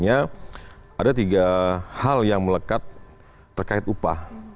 ada tiga hal yang melekat terkait upah